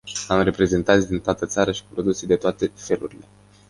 Avem reprezentanți din toată țara și cu produse de toate felurile.